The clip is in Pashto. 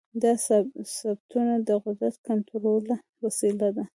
دا ثبتونه د قدرت د کنټرول وسیله وه.